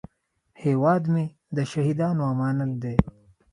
هیواد مې د شهیدانو امانت دی